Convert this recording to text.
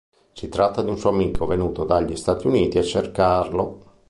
Si tratta di un suo amico, venuto dagli Stati Uniti a cercarlo.